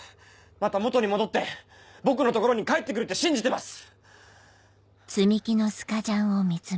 また元に戻って僕のところに帰って来るって信じてます。